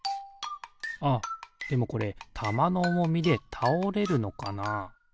あっでもこれたまのおもみでたおれるのかな？